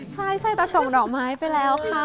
ใช่ส่งดอกไม้ไปแล้วค่ะ